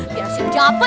biar siapa jawab pun